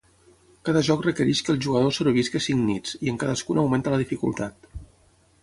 Cada joc requereix que el jugador sobrevisqui cinc nits, i en cadascuna augmenta la dificultat.